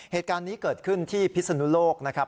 เหตุการณ์นี้เกิดขึ้นที่พิศนุโลกนะครับ